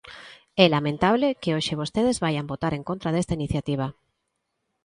É lamentable que hoxe vostedes vaian votar en contra desta iniciativa.